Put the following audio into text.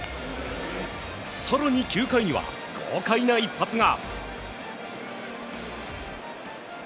更に９回には、豪快な一発が。